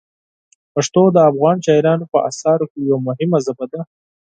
پښتو د افغان شاعرانو په اثارو کې یوه مهمه ژبه ده.